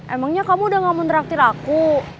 emangnya kamu udah gak menraktir aku